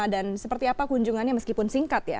dan seperti apa kunjungannya meskipun singkat ya